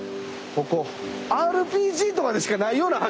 ＲＰＧとかでしかないような橋。